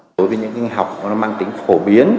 đối với những học mà nó mang tính phổ biến